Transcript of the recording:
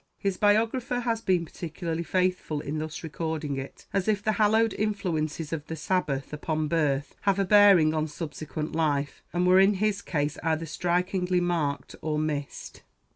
His biographer has been particularly faithful in thus recording it, as if the hallowed influences of the Sabbath upon birth have a bearing on subsequent life, and were in his case either strikingly marked or missed.